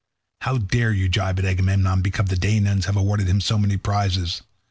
How dare you gibe at Agamemnon because the Danaans have awarded him so many prizes?